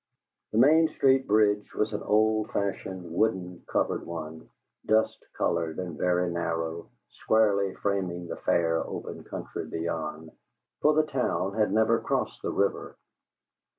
The Main Street bridge was an old fashioned, wooden, covered one, dust colored and very narrow, squarely framing the fair, open country beyond; for the town had never crossed the river.